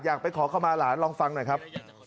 อยากไปขอขมาร้านลองฟังหน่อยครับ